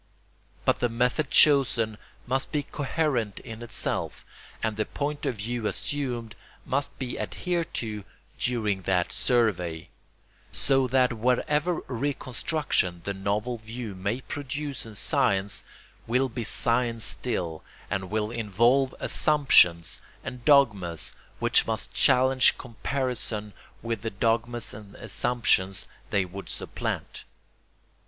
But the method chosen must be coherent in itself and the point of view assumed must be adhered to during that survey; so that whatever reconstruction the novel view may produce in science will be science still, and will involve assumptions and dogmas which must challenge comparison with the dogmas and assumptions they would supplant.